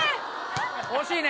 惜しいね。